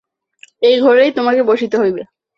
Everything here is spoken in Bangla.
এই ঘরেই তোমাকে বসিতে হইবে।